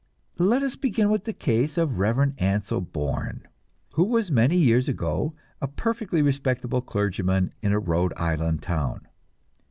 Let us begin with the case of the Reverend Ansel Bourne, who was many years ago a perfectly respectable clergyman in a Rhode Island town.